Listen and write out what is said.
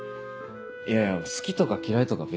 いや好きとか嫌いとか